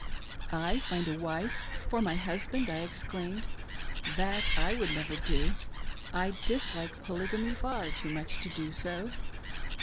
" I find a wife for my husband !" I exclaimed. " That I never would. I dislike Polygamy far too much to do so.